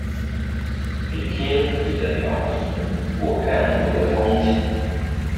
你聽你的鳥鳴，我看我的風景